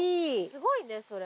すごいね、それ。